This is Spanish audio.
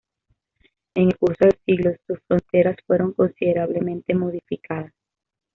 En el curso de los siglos, sus fronteras fueron considerablemente modificadas.